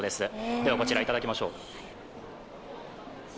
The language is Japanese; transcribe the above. ではこちら、いただきましょう。